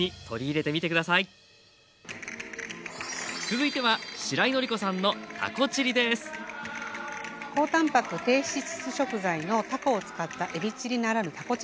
続いてはしらいのりこさんの高たんぱく低脂質食材のたこを使ったえびチリならぬたこ